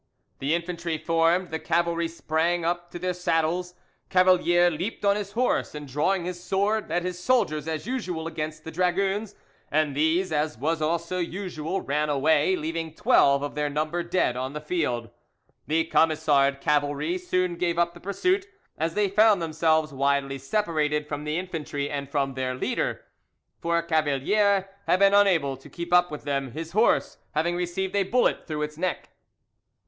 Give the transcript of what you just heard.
The infantry formed, the cavalry sprang to their saddles, Cavalier leaped on his horse, and drawing his sword, led his soldiers as usual against the dragoons, and these, as was also usual, ran away, leaving twelve of their number dead on the field. The Camisard cavalry soon gave up the pursuit, as they found themselves widely separated from the infantry and from their leader; for Cavalier had been unable to keep up with them, his horse having received a bullet through its neck.